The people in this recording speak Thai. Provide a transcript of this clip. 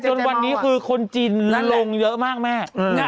จนวันนี้คือคนจีนและลงเยอะมากแม่